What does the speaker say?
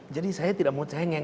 jadi saya tidak mau cengeng